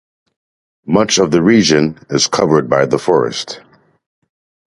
Much of the region is covered by the forest.